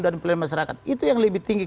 dan pelayan masyarakat itu yang lebih tinggi